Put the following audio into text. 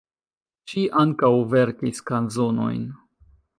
Ŝi ankaŭ verkis kanzonojn.